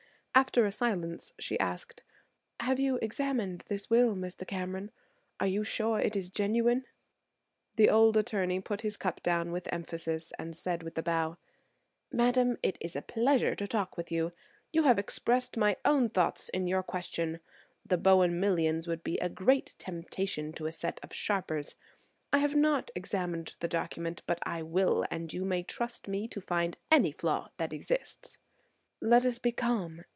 After a silence, she asked: "Have you examined this will, Mr. Cameron? Are you sure it is genuine?" The old attorney put his cup down with emphasis and said with a bow: "Madam, it is a pleasure to talk with you. You have expressed my own thoughts in your question. The Bowen millions would be a great temptation to a set of sharpers. I have not examined the document, but I will; and you may trust me to find any flaw that exists." "Let us be calm.